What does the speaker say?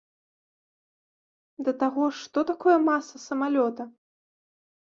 Да таго ж, што такое маса самалёта?